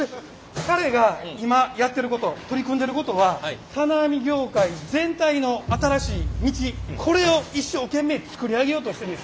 彼が今やってること取り組んでることはこれを一生懸命作り上げようとしてるんです。